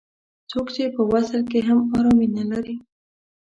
څوک چې په وصل کې هم ارامي نه لري.